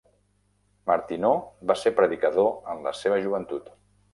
Martineau va ser predicador en la seva joventut.